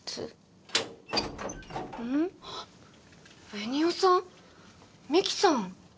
ベニオさんミキさん？